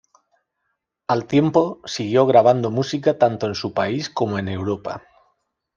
Al tiempo, siguió grabando música tanto en su país como en Europa.